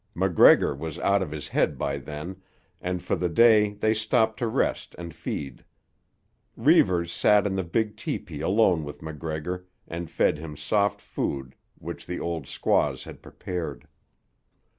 MacGregor was out of his head by then, and for the day they stopped to rest and feed. Reivers sat in the big tepee alone with MacGregor and fed him soft food which the old squaws had prepared.